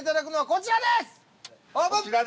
こちらです。